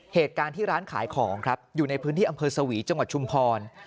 เหตุการณ์ที่ร้านขายของครับอยู่ในพื้นที่อำเภอสวีจังหวัดชุมพร